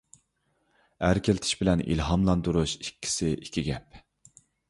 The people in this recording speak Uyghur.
ئەركىلىتىش بىلەن ئىلھاملاندۇرۇش ئىككىسى ئىككى گەپ.